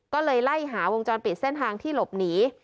ก็เลยไล่หาวงจรปิดเส้นทางที่หลบหนี